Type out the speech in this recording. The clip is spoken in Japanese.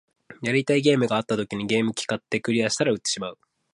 やりたいゲームがあった時にゲーム機買って、クリアしたら売ってしまう